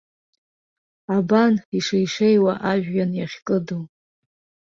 Абан, ишеи-шеиуа ажәҩан иахькыду.